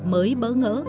mới bỡ ngỡ